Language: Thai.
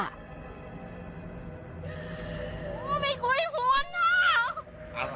โอ้มีกุยหัวหน้า